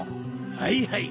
はいはい。